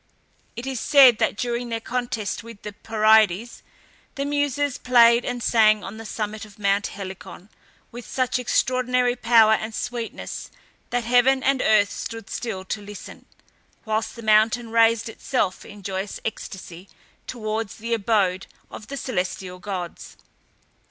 It is said that during their contest with the Pierides, the Muses played and sang on the summit of Mount Helicon with such extraordinary power and sweetness, that heaven and earth stood still to listen, whilst the mountain raised itself in joyous ecstasy towards the abode of the celestial gods.